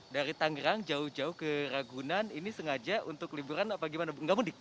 dari tangerang jauh jauh ke ragunan ini sengaja untuk liburan apa gimana bu nggak mudik